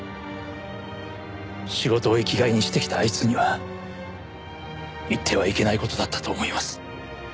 仕事を生きがいにしてきたあいつには言ってはいけない事だったと思います。